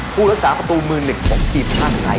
ผู้รักษาประตูมือหนึ่งของทีมชาติไทย